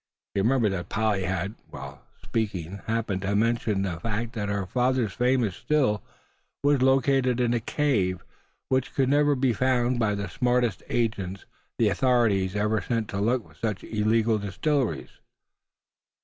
He remembered that Polly had, while speaking, happened to mention the fact that her father's famous Still was located in a cave, which could never be found by the smartest agent the authorities had ever sent to look for such illegal distilleries.